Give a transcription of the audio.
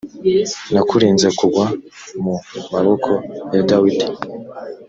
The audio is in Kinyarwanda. nakurinze kugwa mu maboko ya dawidi